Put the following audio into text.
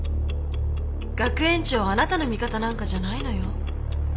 学園長あなたの味方なんかじゃないのよ。